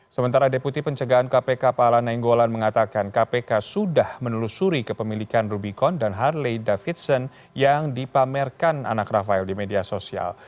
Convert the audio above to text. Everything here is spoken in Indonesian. sementara deputi pencegahan kpk pala nainggolan mengatakan kpk sudah menelusuri kepemilikan rubicon dan harley davidson yang dipamerkan anak rafael di media sosial